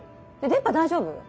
電波大丈夫？